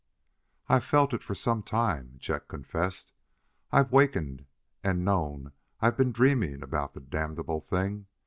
_ "I've felt it for some time," Chet confessed. "I've wakened and known I had been dreaming about that damnable thing.